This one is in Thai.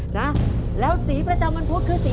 นะแล้วสีประจำวันพุธคือสี